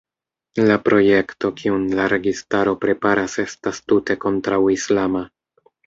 La projekto kiun la registaro preparas estas tute kontraŭislama.